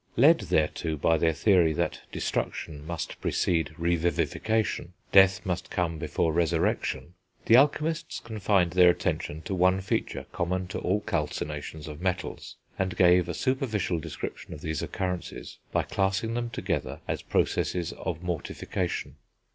Led thereto by their theory that destruction must precede re vivification, death must come before resurrection, the alchemists confined their attention to one feature common to all calcinations of metals, and gave a superficial description of these occurrences by classing them together as processes of mortification.